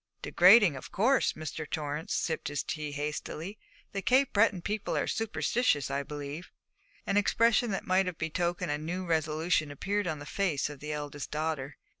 'Degrading, of course.' Mr. Torrance sipped his tea hastily. 'The Cape Breton people are superstitious, I believe.' An expression that might have betokened a new resolution appeared upon the fine face of the eldest daughter.